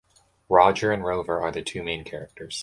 Roger and Rover are the two main characters.